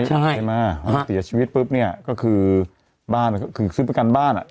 ใช่ไหมเสียชีวิตปุ๊บเนี่ยก็คือบ้านก็คือซื้อประกันบ้านอ่ะ